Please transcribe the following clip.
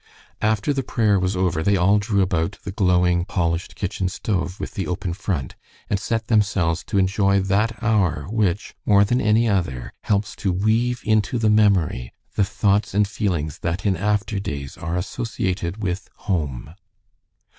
After the prayer was over they all drew about the glowing polished kitchen stove with the open front, and set themselves to enjoy that hour which, more than any other, helps to weave into the memory the thoughts and feelings that in after days are associated with home.